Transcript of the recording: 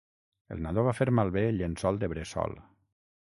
El nadó va fer malbé el llençol de bressol.